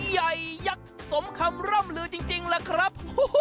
ใหญ่ยักษ์สมคำร่ำลือจริงล่ะครับ